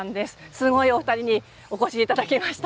すごいお二人にお越しいただきました。